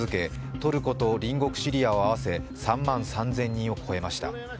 トルコと隣国・シリアを合わせ３万３０００人を超えました。